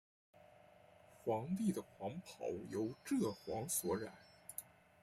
皇帝的黄袍用柘黄所染。